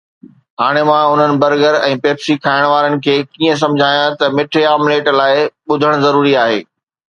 هاڻي مان انهن برگر ۽ پيپسي کائڻ وارن کي ڪيئن سمجهايان ته مٺي آمليٽ لاءِ ٻڌڻ ضروري آهي؟